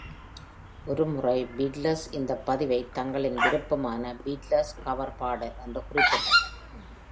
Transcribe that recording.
ஒரு முறை Beatles இந்த பதிவை தங்களின் விருப்பமான Beatles கவர் பாடல் என்று குறிப்பிட்டனர்.